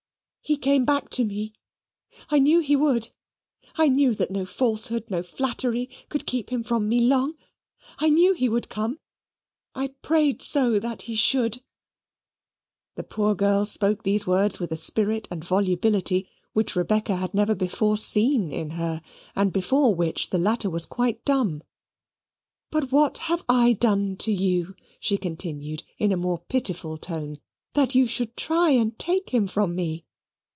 "He came back to me. I knew he would. I knew that no falsehood, no flattery, could keep him from me long. I knew he would come. I prayed so that he should." The poor girl spoke these words with a spirit and volubility which Rebecca had never before seen in her, and before which the latter was quite dumb. "But what have I done to you," she continued in a more pitiful tone, "that you should try and take him from me?